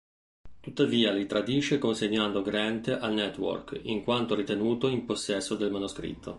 Tuttavia li tradisce consegnando Grant al "Network", in quanto ritenuto in possesso del manoscritto.